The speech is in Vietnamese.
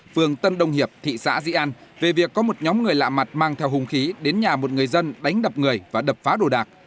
phường tân đông hiệp thị xã di an về việc có một nhóm người lạ mặt mang theo hùng khí đến nhà một người dân đánh đập người và đập phá đồ đạc